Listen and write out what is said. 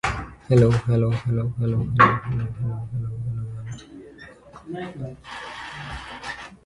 "Mushiki" are round steamers made from bamboo like those used in Chinese cuisine.